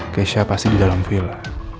kesha pasti di dalam villa